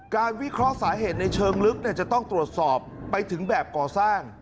วิเคราะห์สาเหตุในเชิงลึกจะต้องตรวจสอบไปถึงแบบก่อสร้าง